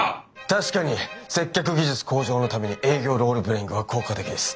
確かに接客技術向上のために営業ロールプレイングは効果的です。